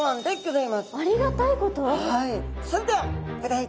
はい。